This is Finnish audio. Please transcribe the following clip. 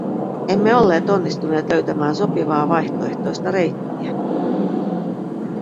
Emme olleet onnistuneet löytämään sopivaa vaihtoehtoista reittiä.